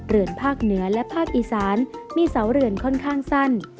เรือนภาคเหนือและภาคอีสานมีเสาเรือนค่อนข้างสั้น